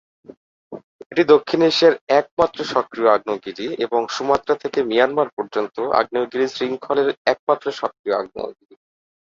এটি দক্ষিণ এশিয়ার একমাত্র সক্রিয় আগ্নেয়গিরি এবং সুমাত্রা থেকে মিয়ানমার পর্যন্ত আগ্নেয়গিরি শৃঙ্খলের একমাত্র সক্রিয় আগ্নেয়গিরি।